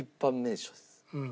うん。